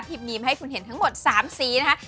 นีมให้คุณเห็นทั้งหมด๓สีนะคะ